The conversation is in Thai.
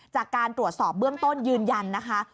จากการตรวจสอบเบื้องต้นยืนยันนะคะ